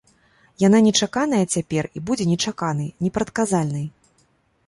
Яна нечаканая цяпер і будзе нечаканай, непрадказальнай.